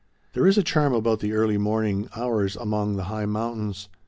There is a charm about the early morning hours among the high mountains.